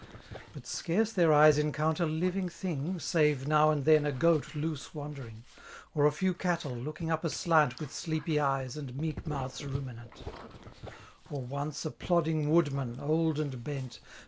* But scarce their eyes encounter liYing tilings ^ Save, now and then, a goat loose wanderings Or a few cattle, looking up aslant With sleepy eyes and med^ mouths niminant; Or (mcej a plodding woodman, cAi and bent.